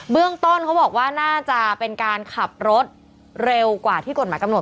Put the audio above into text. เรื่องต้นเขาบอกว่าน่าจะเป็นการขับรถเร็วกว่าที่กฎหมายกำหนด